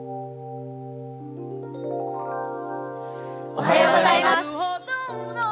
おはようございます。